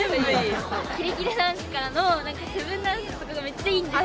キレキレダンスからのセブンダンスとかがめっちゃいいんですよ！